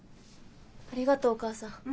ありがとうお母さん。